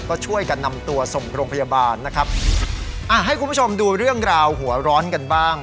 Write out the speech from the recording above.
ก็ช่วยกันนำตัวส่งโรงพยาบาลนะครับอ่ะให้คุณผู้ชมดูเรื่องราวหัวร้อนกันบ้าง